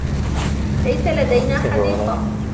ليس لدينا حديقة.